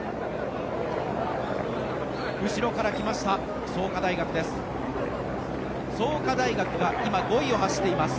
後ろから来ました創価大学です。